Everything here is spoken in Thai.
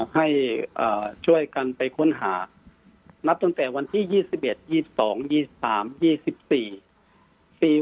ให้ช่วยกันไปค้นหานับตั้งแต่วันที่๒๑๒๒๒๓๒๔